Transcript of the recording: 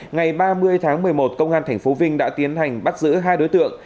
ngày ba mươi tháng một mươi một công an tp vinh đã tiến hành bắt giữ hai đối tượng